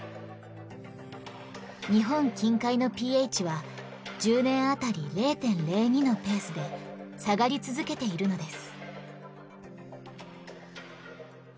日本近海のｐＨは１０年当たり０．０２のペースで下がり続けているのです。